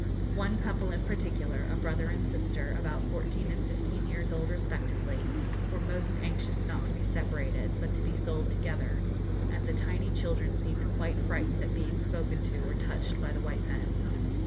One couple in particular, a brother and sister, about fourteen and fifteen years old respectively, were most anxious not to be separated, but to be sold together; and the tiny children seemed quite frightened at being spoken to or touched by the white men.